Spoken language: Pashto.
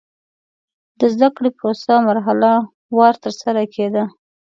د زده کړې پروسه مرحله وار ترسره کېده.